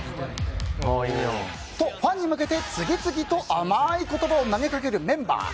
と、ファンに向けて次々と甘い言葉を投げかけるメンバー。